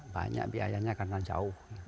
banyak biayanya karena jauh